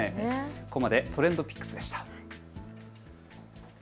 ここまでＴｒｅｎｄＰｉｃｋｓでした。